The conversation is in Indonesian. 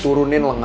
turunin lengan lo